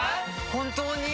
本当に。